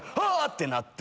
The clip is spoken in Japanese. てなって。